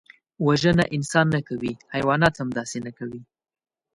وژنه انسان نه کوي، حیوانات هم داسې نه کوي